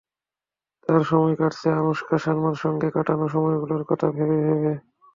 তাঁর সময় কাটছে আনুশকা শর্মার সঙ্গে কাটানো সময়গুলোর কথা ভেবে ভেবে।